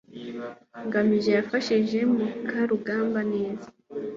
ngamije yafashije mukarugambwa neza